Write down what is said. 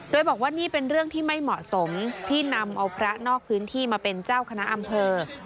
โดยบอกว่านี่เป็นเรื่องที่ไม่เหมาะสมที่นำเอาพระนอกพื้นที่มาเป็นเจ้าคณะอำเภอ